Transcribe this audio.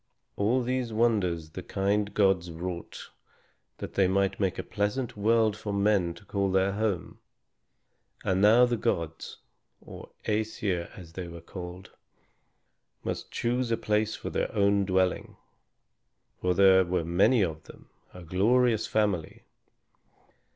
All these wonders the kind gods wrought that they might make a pleasant world for men to call their home. And now the gods, or Æsir as they were called, must choose a place for their own dwelling, for there were many of them, a glorious family.